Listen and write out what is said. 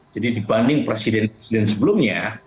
jadi dibanding presiden presiden sebelumnya